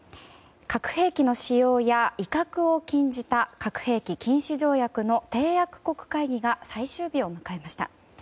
核兵器の使用や威嚇を禁じた核兵器禁止条約の締約国会議が最終日を迎えました。